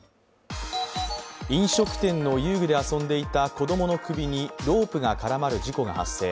飲食店の遊具で遊んでいた子供の首にロープが絡まる事故が発生。